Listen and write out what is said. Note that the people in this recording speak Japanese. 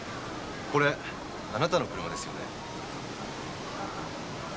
これあなたの車ですよね？